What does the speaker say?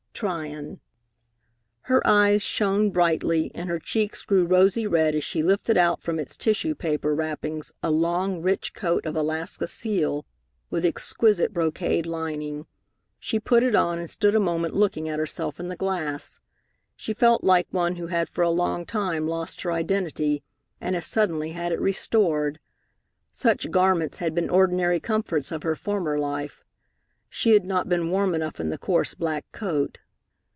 TRYON Her eyes shone brightly and her cheeks grew rosy red as she lifted out from its tissue paper wrappings a long, rich coat of Alaska seal, with exquisite brocade lining. She put it on and stood a moment looking at herself in the glass. She felt like one who had for a long time lost her identity, and has suddenly had it restored. Such garments had been ordinary comforts of her former life. She had not been warm enough in the coarse black coat.